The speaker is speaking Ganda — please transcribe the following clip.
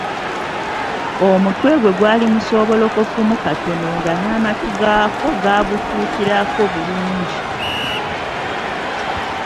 Omutwe gwe gwali musoobolokofumu katono nga n’amatu gaakwo gagutuukirako bulungi.